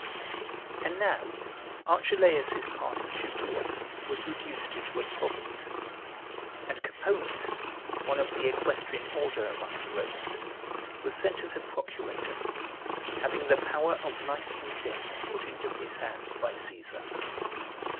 1. And now Archelaus's part of Judea was reduced into a province, and Coponius, one of the equestrian order among the Romans, was sent as a procurator, having the power of [life and] death put into his hands by Caesar.